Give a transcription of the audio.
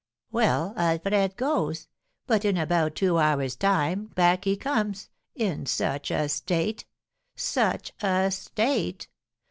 Well, Alfred goes; but in about two hours' time back he comes in such a state! such a state!